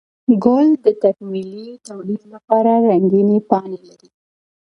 گل د تکميلي توليد لپاره رنګينې پاڼې لري